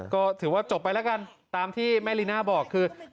ก็ถือว่าจบไปแล้วกันตามที่แม่ลีน่าบอกคือ